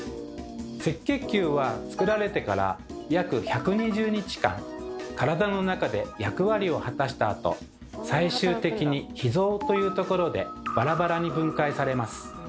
赤血球はつくられてから約１２０日間体の中で役割を果たしたあと最終的に脾臓というところでバラバラに分解されます。